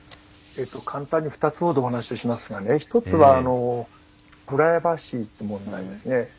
簡単に２つほどお話ししますがね一つはプライバシーという問題ですね。